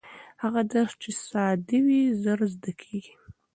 هغه درس چې ساده وي ژر زده کېږي.